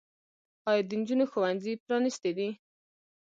آیا د نجونو ښوونځي پرانیستي دي؟